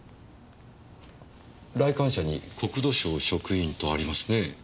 来館者に「国土省職員」とありますねぇ。